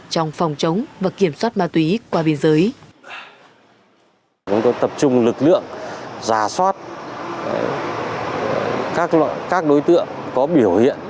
trong phòng chống và kiểm soát ma túy qua biên giới